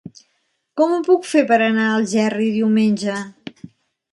Com ho puc fer per anar a Algerri diumenge?